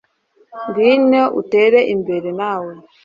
ngwino utere imbere nawe